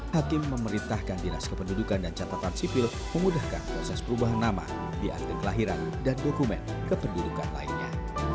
hakim memerintahkan dinas kependudukan dan catatan sipil memudahkan proses perubahan nama di arte kelahiran dan dokumen kependudukan lainnya